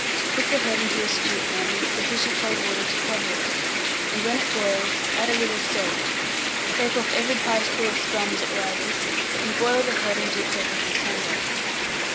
Put the head into a stewpan, with sufficient cold water to cover it, and when it boils, add a little salt; take off every particle of scum as it rises, and boil the head until perfectly tender.